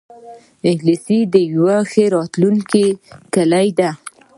انګلیسي د یوی ښه راتلونکې کلۍ ده